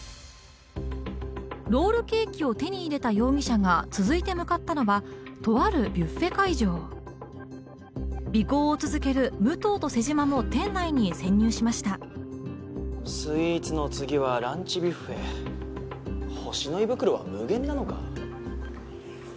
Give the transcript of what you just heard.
ロールケーキを手に入れた容疑者が続いて向かったのはとあるビュッフェ会場尾行を続ける武藤と瀬島も店内に潜入しましたスイーツの次はランチビュッフェホシの胃袋は無限なのか？